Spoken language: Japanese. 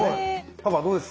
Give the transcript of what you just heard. パパどうです？